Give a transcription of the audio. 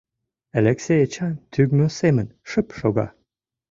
Элексей Эчан тӱҥмӧ семын шып шога.